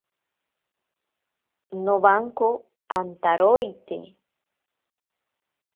Nowanko antaroite.